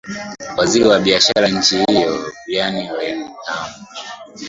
waziri wa biashara wa nchi hiyo brian lenham